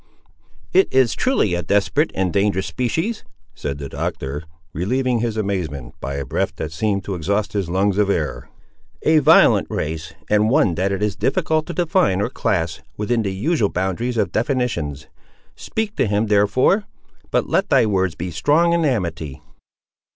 "It is truly a desperate and a dangerous species!" said the Doctor, relieving his amazement by a breath that seemed to exhaust his lungs of air; "a violent race, and one that it is difficult to define or class, within the usual boundaries of definitions. Speak to him, therefore; but let thy words be strong in amity."